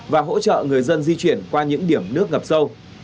và hỗ trợ người dân di chuyển qua những điểm nước ngập sâu